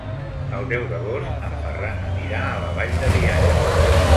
El deu d'agost en Ferran anirà a la Vall de Bianya.